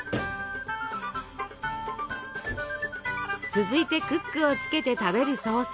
続いてクックをつけて食べるソース。